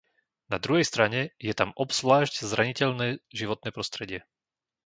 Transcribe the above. Na druhej strane je tam obzvlášť zraniteľné životné prostredie.